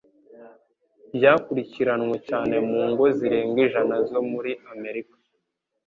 byakurikiranwe cyane mu ngo zirenga ijana zo muri Amerika.